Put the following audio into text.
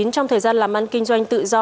trong thời gian làm ăn kinh doanh tự do